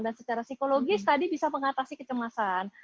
dan secara psikologis tadi bisa mengatasi kecemasan